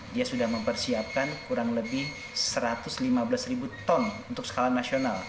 dia sudah mempersiapkan kurang lebih satu ratus lima belas ribu ton untuk skala nasional